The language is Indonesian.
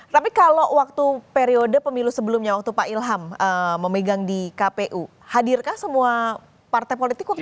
tapi kalau waktu periode pemilu sebelumnya waktu pak ilham memegang di kpu hadirkah semua partai politik kok